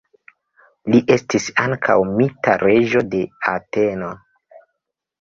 Li estis ankaŭ mita reĝo de Ateno.